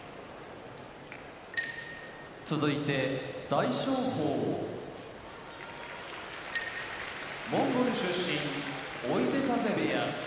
大翔鵬モンゴル出身追手風部屋